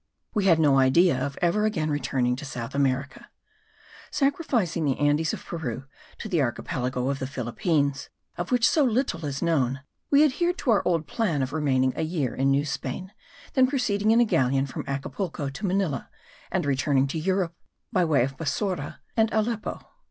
We had no idea of ever again returning to South America. Sacrificing the Andes of Peru to the Archipelago of the Philippines (of which so little is known), we adhered to our old plan of remaining a year in New Spain, then proceeding in a galleon from Acapulco to Manila, and returning to Europe by way of Bassora and Aleppo.